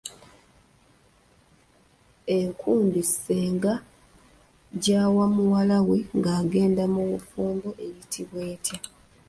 Enkumbi ssenga gyawa muwala we ng'agenda mu bufumbo eyitibwa etya?